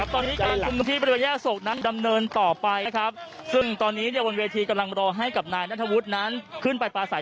ตอนนี้การชุมนุมที่บริเวณแยกโศกนั้นดำเนินต่อไปนะครับซึ่งตอนนี้เนี่ยบนเวทีกำลังรอให้กับนายนัทวุฒินั้นขึ้นไปปลาสาย